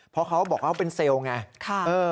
เพราะเขาบอกว่าเขาเป็นเซลล์ไง